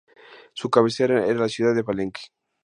Su cabecera era la ciudad de Palenque.